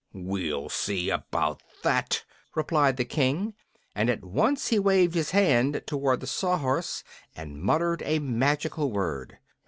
"We'll see about that," replied the King, and at once he waved his hand toward the Sawhorse and muttered a magical word.